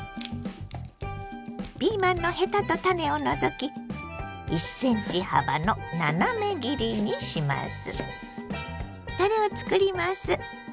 ピーマンのヘタと種を除き１ｃｍ幅の斜め切りにします。